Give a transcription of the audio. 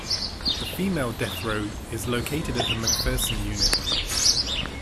The female death row is located at the McPherson Unit.